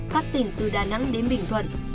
các tỉnh từ đà nẵng đến bình thuận